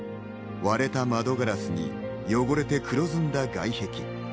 割れた窓ガラスに汚れて黒ずんだ外壁。